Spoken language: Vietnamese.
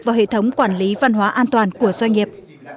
vào hệ thống quản lý văn hóa an toàn của doanh nghiệp